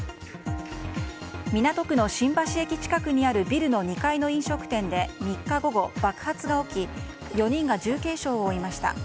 港区の新橋駅近くにあるビルの２階の飲食店で３日午後、爆発が起き４人が重軽傷を負いました。